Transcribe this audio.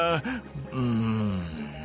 うん。